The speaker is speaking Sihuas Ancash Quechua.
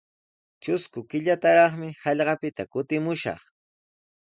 Trusku killataraqmi hallqapita kutimushaq.